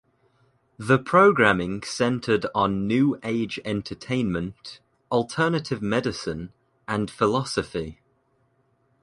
The programming centered on new-age entertainment, alternative medicine, and philosophy.